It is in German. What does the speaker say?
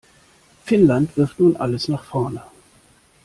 Finnland wirft nun alles nach vorne.